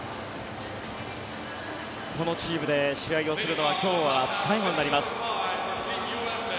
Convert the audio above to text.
このチームで試合をするのは今日が最後になります。